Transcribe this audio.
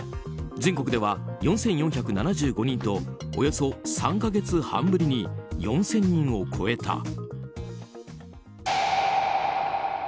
全国では４４７５人とおよそ３か月半ぶりに４０００人を超えた。